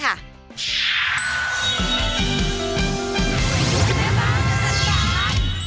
แม่บาวแน่นตา